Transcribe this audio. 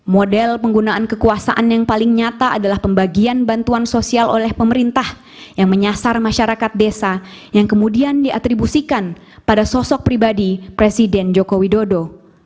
model penggunaan kekuasaan yang paling nyata adalah pembagian bantuan sosial oleh pemerintah yang menyasar masyarakat desa yang kemudian diatribusikan pada sosok pribadi presiden joko widodo